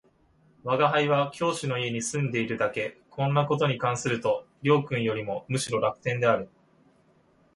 吾輩は教師の家に住んでいるだけ、こんな事に関すると両君よりもむしろ楽天である